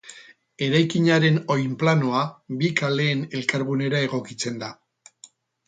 Eraikinaren oinplanoa bi kaleen elkargunera egokitzen da.